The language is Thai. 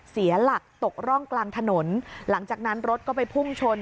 เสียหลักตกร่องกลางถนนหลังจากนั้นรถก็ไปพุ่งชน